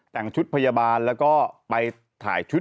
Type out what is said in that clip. ไปเตือนการ์ตูนก็คือนี่แหละฮะ